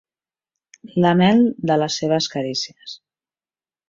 La mel de les seves carícies.